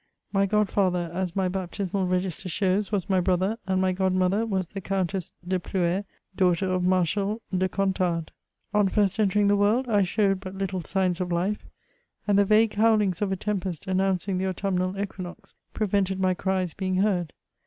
My godfather, as my baptismal register shows, was my brother, and my godmother was the Countess de Plouer, daughter of Marshal de Contades. On first entering the world, I showed but little ngns of life ; and the vague bowlings of a tempest ig announcing the autumnal equinox, prevented my cries being heard.